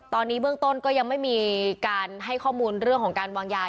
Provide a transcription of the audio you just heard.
ตอนนี้เบื้องต้นก็ยังไม่มีการให้ข้อมูลเรื่องของการวางยา